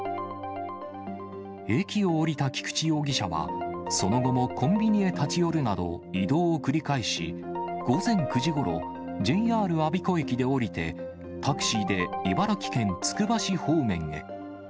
駅を降りた菊池容疑者は、その後もコンビニへ立ち寄るなど移動を繰り返し、午前９時ごろ、ＪＲ我孫子駅で降りて、タクシーで茨城県つくば市方面へ。